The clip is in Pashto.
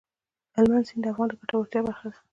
هلمند سیند د افغانانو د ګټورتیا برخه ده.